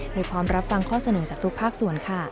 พร้อมรับฟังข้อเสนอจากทุกภาคส่วนค่ะ